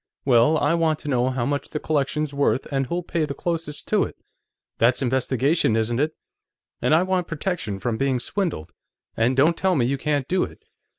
Well, I want to know how much the collection's worth, and who'll pay the closest to it. That's investigation, isn't it? And I want protection from being swindled. And don't tell me you can't do it.